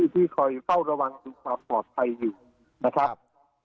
ที่คอยเฝ้าระวังถึงความปลอดภัยอยู่นะครับ